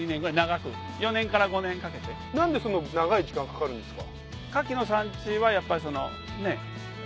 何でそんな長い時間かかるんですか？